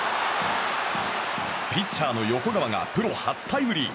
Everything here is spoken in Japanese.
ピッチャーの横川がプロ初タイムリー。